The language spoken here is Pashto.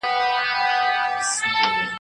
چوپه خوله سو له هغې ورځي ګونګی سو